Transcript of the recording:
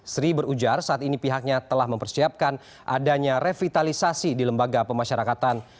sri berujar saat ini pihaknya telah mempersiapkan adanya revitalisasi di lembaga pemasyarakatan